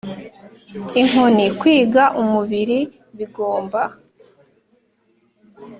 inkoni, kwiga, umubiri, bigomba